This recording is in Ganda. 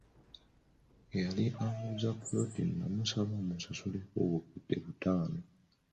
Eyali anguza ppoloti namusaba musasuleko obukadde butaano.